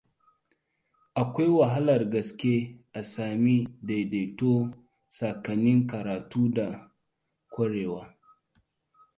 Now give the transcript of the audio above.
Akwai wahalar gaske a sami daidaito tsakanin karatu da ƙwarewa.